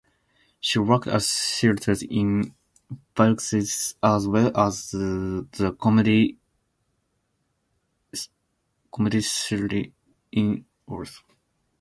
She worked at theatres in Bydgoszcz as well as the Comedy Theatre in Warsaw.